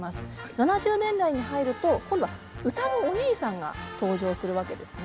７０年代に入ると今度は歌のお兄さんが登場するわけですね。